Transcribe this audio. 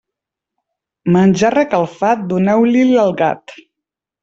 Menjar recalfat, doneu-li'l al gat.